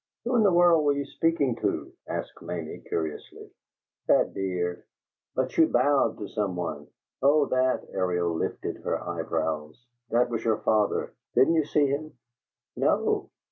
"Who in the world were you speaking to?" asked Mamie, curiously. "That deer." "But you bowed to some one." "Oh, that," Ariel lifted her eyebrows, "that was your father. Didn't you see him?" "No."